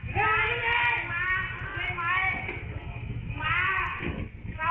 มันเขาเปล่า